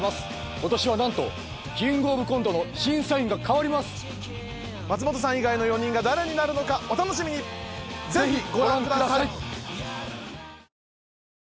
今年はなんと「キングオブコント」の審査員がかわります松本さん以外の４人が誰になるのかお楽しみにぜひご覧ください